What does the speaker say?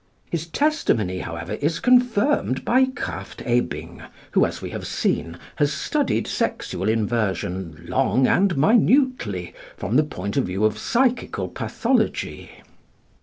His testimony, however, is confirmed by Krafft Ebing, who, as we have seen, has studied sexual inversion long and minutely from the point of view of psychical pathology.